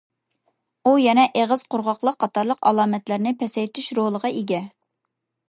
ئۇ يەنە ئېغىز قۇرغاقلىق قاتارلىق ئالامەتلەرنى پەسەيتىش رولىغا ئىگە.